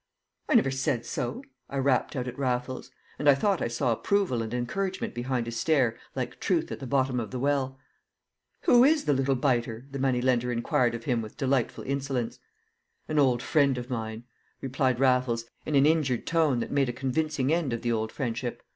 "I never said so," I rapped out at Raffles; and I thought I saw approval and encouragement behind his stare like truth at the bottom of the well. "Who is the little biter?" the money lender inquired of him with delightful insolence. "An old friend of mine," replied Raffles, in an injured tone that made a convincing end of the old friendship.